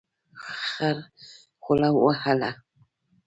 خر خوله وهله.